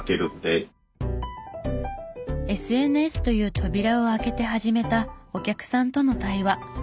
ＳＮＳという扉を開けて始めたお客さんとの対話。